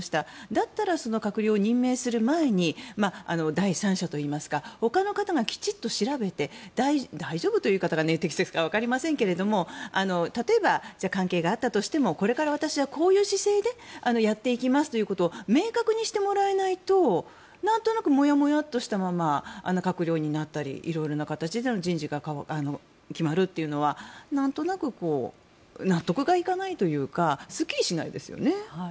だったらその閣僚を任命する前に第三者といいますかほかの方がきちんと調べて大丈夫という言い方が適切かはわかりませんが例えば、関係があったとしてもこれから私はこういう姿勢でやっていきますということを明確にしてもらわないとなんとなくもやもやっとしたまま閣僚になったり色々な形での人事が決まるというのはなんとなく納得がいかないというかすっきりしないですよね。